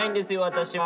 私は。